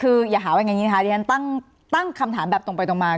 คืออย่าหาว่าอย่างนี้นะคะที่ฉันตั้งคำถามแบบตรงไปตรงมา